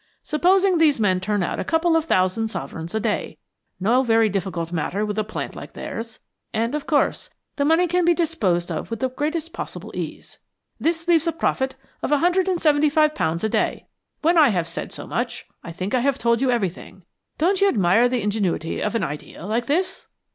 Supposing these men turn out a couple of thousand sovereigns a day no very difficult matter with a plant like theirs; and, of course, the money can be disposed of with the greatest possible ease. This leaves a profit of a hundred and seventy five pounds a day. When I have said so much, I think I have told you everything. Don't you admire the ingenuity of an idea like this?"